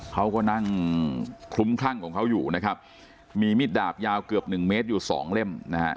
เขาก็นั่งคลุ้มคลั่งของเขาอยู่นะครับมีมิดดาบยาวเกือบหนึ่งเมตรอยู่สองเล่มนะฮะ